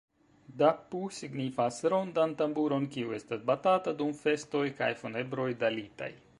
Dappu signifas rondan tamburon, kiu estas batata dum festoj kaj funebroj dalitaj.